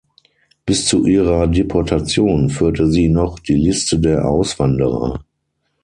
Bis zu ihrer Deportation führte sie noch die „Liste der Auswanderer“.